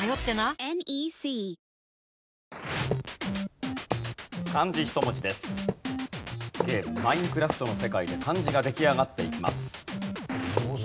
ゲーム『マインクラフト』の世界で漢字が出来上がっていきます。